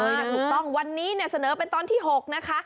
ถูกต้องวันนี้เนี่ยเสนอเป็นตอนที่๖นะคะ